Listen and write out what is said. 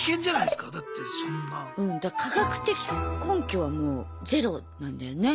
うんだから科学的根拠はもうゼロなんだよね。